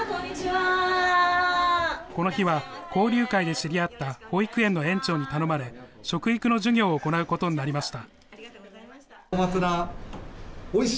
この日は、交流会で知り合った保育園の園長に頼まれ、食育の授業を行うことになりました。